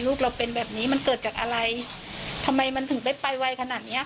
ลูกเราเป็นแบบนี้มันเกิดจากอะไรทำไมมันถึงได้ไปไวขนาดเนี้ย